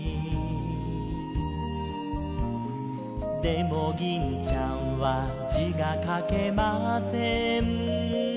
「でも銀ちゃんは字が書けません」